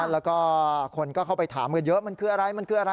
แล้วคนเข้าไปถามกันเยอะ